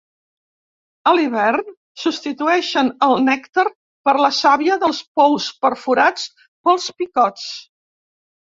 A l'hivern, substitueixen el nèctar per la sàvia dels pous perforats pels picots.